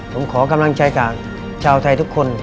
ผมขอกำลังใจจากชาวไทยทุกคน